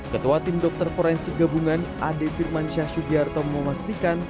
ketua tim dokter forensik gabungan ade firman syahsyu gyarto memastikan